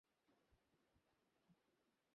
কিন্তু তোমার এ বেশে চলিবে না।